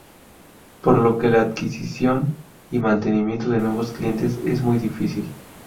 Por lo que la adquisición y mantenimiento de nuevos clientes es muy difícil.